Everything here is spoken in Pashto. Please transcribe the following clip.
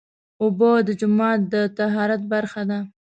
اوبه د جومات د طهارت برخه ده.